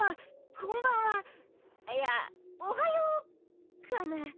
こんばんはいやおはようかな？